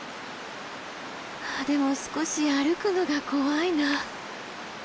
でも少し歩くのが怖いな。